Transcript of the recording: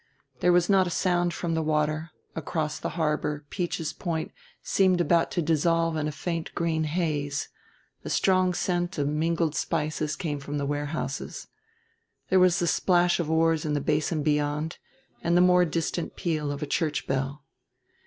There was not a sound from the water; across the harbor Peach's Point seemed about to dissolve in a faint green haze; a strong scent of mingled spices came from the warehouses. There was the splash of oars in the Basin beyond, and the more distant peal of a church bell.